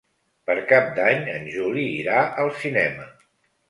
Per Cap d'Any en Juli irà al cinema.